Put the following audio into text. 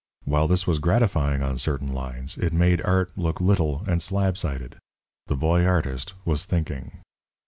While this was gratifying on certain lines, it made art look little and slab sided. The Boy Artist was thinking.